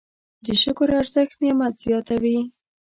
د شکر ارزښت نعمت زیاتوي.